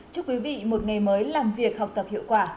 chúc quý vị một ngày mới làm việc học tập hiệu quả